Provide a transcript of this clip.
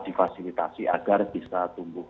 difasilitasi agar bisa tumbuh